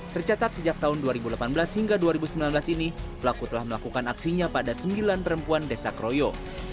tercatat sejak tahun dua ribu delapan belas hingga dua ribu sembilan belas ini pelaku telah melakukan aksinya pada sembilan perempuan desa kroyo